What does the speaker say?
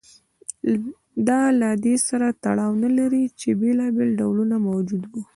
دا له دې سره تړاو نه لري چې بېلابېل ډولونه موجود و